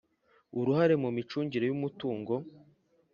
uruhare mu micungire y umutungo